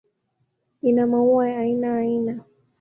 Ina maua ya aina aina.